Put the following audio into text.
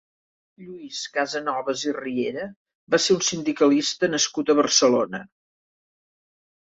Lluís Casanovas i Riera va ser un sindicalista nascut a Barcelona.